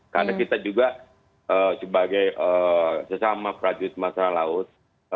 karena kita juga sebagai sesama prajurit masyarakat laut